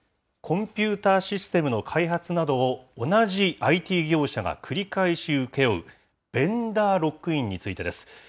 コンピューターシステムの開発などを、同じＩＴ業者が繰り返し請け負う、ベンダーロックインについてです。